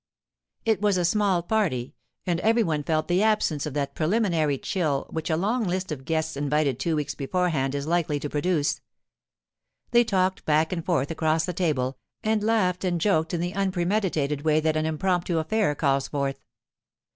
It was a small party, and every one felt the absence of that preliminary chill which a long list of guests invited two weeks beforehand is likely to produce. They talked back and forth across the table, and laughed and joked in the unpremeditated way that an impromptu affair calls forth.